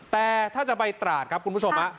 แต่ถ้าจะไปตราดครับคุณผู้ชม